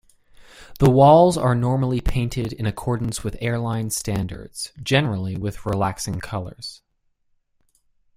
The walls are normally painted in accordance with airline standards, generally with relaxing colours.